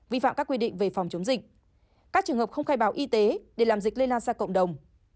vi phạm các quy định về phòng chống dịch các trường hợp không khai báo y tế để làm dịch lây lan ra cộng đồng